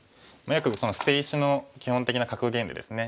よく捨て石の基本的な格言でですね